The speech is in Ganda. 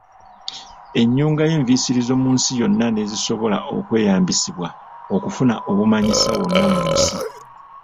Ennyunga y’enviisirizo mu nsi yonna ne zisobola okweyambisibwa okufuna obumanyisa wonna mu nsi.